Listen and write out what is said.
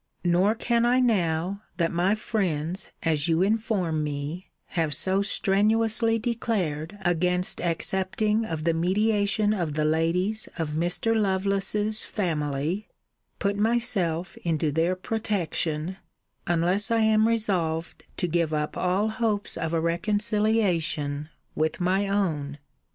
Nor can I now, that my friends, as you inform me, have so strenuously declared against accepting of the mediation of the ladies of Mr. Lovelace's family, put myself into their protection, unless I am resolved to give up all hopes of a reconciliation with my own.